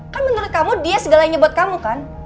kan menurut kamu dia segalanya buat kamu kan